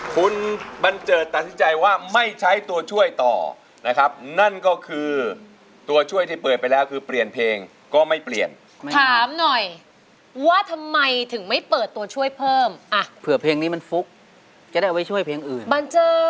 คุณบันเจิดตัดสินใจว่าไม่ใช้ตัวช่วยต่อนะครับนั่นก็คือตัวช่วยที่เปิดไปแล้วคือเปลี่ยนเพลงก็ไม่เปลี่ยนถามหน่อยว่าทำไมถึงไม่เปิดตัวช่วยเพิ่มอ่ะเผื่อเพลงนี้มันฟุกจะได้เอาไว้ช่วยเพลงอื่นบันเจิด